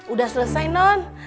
udah selesai non